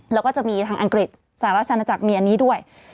แล้วก็จะมีทางอังกฤษสหราชนาจักรมีอันนี้ด้วย